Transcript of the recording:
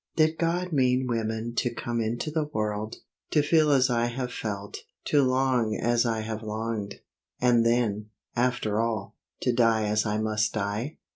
Did God mean women to come into the world, to feel as I have felt, to long as I have longed, and then, after all, to die as I must die?